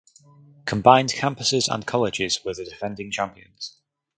Combined Campuses and Colleges were the defending champions.